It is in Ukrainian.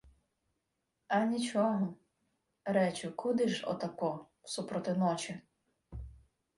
— А нічого. Речу: куди ж отако супроти ночі?